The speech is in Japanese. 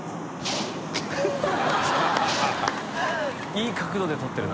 いい角度で撮ってるな。